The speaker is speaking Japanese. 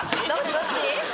どっち？